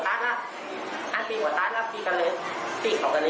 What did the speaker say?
อย่างต่อแบบนี้ระดับมีครับดูดีกว่า